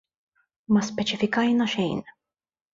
Ma speċifikajna xejn.